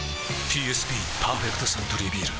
ＰＳＢ「パーフェクトサントリービール」